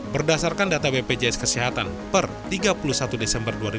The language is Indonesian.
berdasarkan data bpjs kesehatan per tiga puluh satu desember dua ribu dua puluh